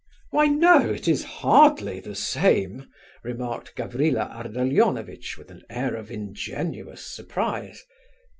"Why, no, it is hardly the same," remarked Gavrila Ardalionovitch, with an air of ingenuous surprise.